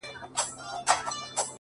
او د دنيا له لاسه،